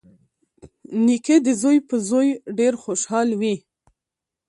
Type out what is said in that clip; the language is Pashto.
نیکه د زوی په زوی ډېر خوشحال وي.